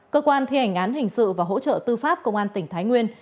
cơ quan thi hành án hình sự và hỗ trợ tư pháp công an tỉnh thái nguyên